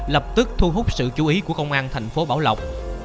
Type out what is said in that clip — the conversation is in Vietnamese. lập tức thu hút sự chú ý của công an thành phố bảo lộc